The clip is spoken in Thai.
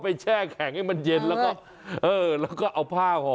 ไปแช่แข็งให้มันเย็นและเอาฝ้าห่อ